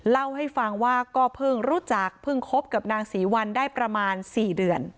เล่าให้ฟังว่าก็เพิ่งรู้จักเพิ่งคบกับนางศรีวัลได้ประมาณ๔เดือน